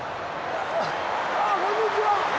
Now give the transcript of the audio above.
あこんにちは。